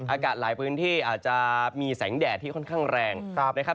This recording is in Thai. อากาศหลายพื้นที่อาจจะมีแสงแดดที่ค่อนข้างแรงนะครับ